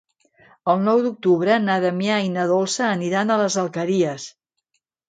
El nou d'octubre na Damià i na Dolça aniran a les Alqueries.